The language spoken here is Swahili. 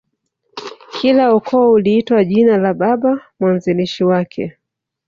Kila ukoo uliitwa jina la Baba mwanzilishi wake